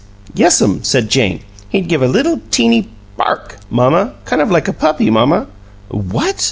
"Yes'm!" said Jane. "He'd give a little, teeny BARK, mamma kind of like a puppy, mamma." "What?"